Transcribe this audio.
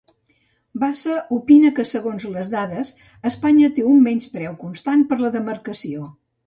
Bassa opina que segons les dades, Espanya té un "menyspreu constant" per la demarcació.